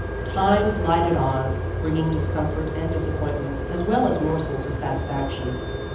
Time glided on, bringing discomfort and disappointment, as well as morsels of satisfaction.